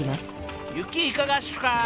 雪いかがっすか？